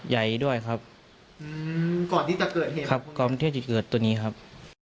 ใหญ่ด้วยครับอืมก่อนที่จะเกิดเหตุครับก่อนที่จะเกิดตัวนี้ครับ